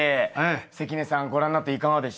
関根さんご覧になっていかがでした？